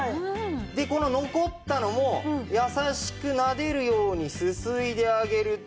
この残ったのも優しくなでるようにすすいであげると。